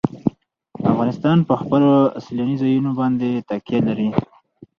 افغانستان په خپلو سیلاني ځایونو باندې تکیه لري.